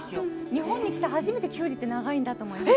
日本に来て初めてきゅうりって長いんだと思いました。